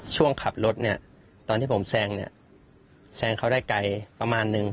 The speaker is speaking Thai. ช่วงขับรถเนี่ยตอนที่ผมแซงเนี่ยแซงเขาได้ไกลประมาณนึง